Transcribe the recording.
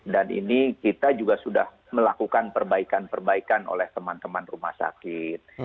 dan ini kita juga sudah melakukan perbaikan perbaikan oleh teman teman rumah sakit